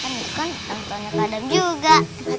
kan bukan nangkanya kadang juga